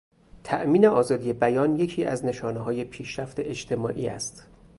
تامین آزادی بیان یکی از نشانههای پیشرفت اجتماعی است.